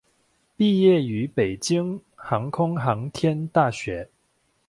毕业于北京航空航天大学。